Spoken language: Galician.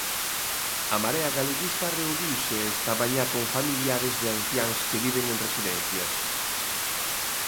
A Marea Galeguista reuniuse esta mañá con familiares de anciáns que viven en residencias.